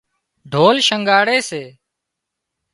ڍول شڻڳاري سي